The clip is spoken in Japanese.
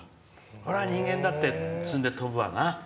それは人間だって積んで飛ぶわな。